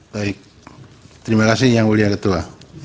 baik terima kasih yang mulia ketua